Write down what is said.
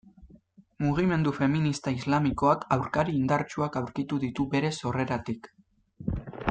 Mugimendu feminista islamikoak aurkari indartsuak aurkitu ditu bere sorreratik.